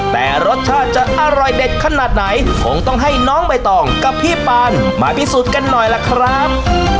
แต่รสชาติจะอร่อยเด็ดขนาดไหนคงต้องให้น้องใบตองกับพี่ปานมาพิสูจน์กันหน่อยล่ะครับ